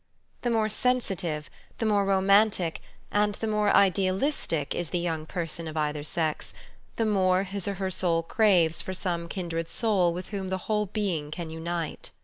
The more sensitive, the more romantic, and the more idealistic is the young person of either sex, the more his or her soul craves for some kindred soul with whom the whole being can unite.